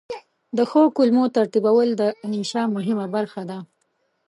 د ښو کلمو ترتیبول د انشأ مهمه برخه ده.